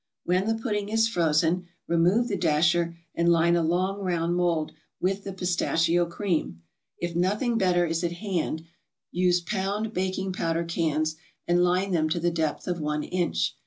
When the pudding is frozen, remove the dasher and line a long round mold with the pistachio cream. If nothing better is at hand, use pound baking powder cans, and line them to the depth of one inch.